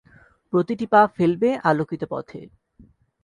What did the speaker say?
প্রতিটি পা ফেলবে আলোকিত পথে।